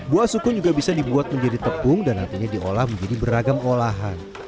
buah sukun juga bisa dibuat menjadi tepung dan nantinya diolah menjadi beragam olahan